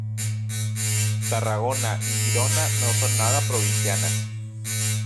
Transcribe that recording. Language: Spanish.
Tarragona y Girona no son nada provincianas.